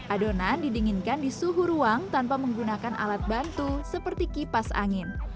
adonan didinginkan di suhu ruang tanpa menggunakan alat bantu seperti kipas angin